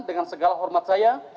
dengan segala hormat saya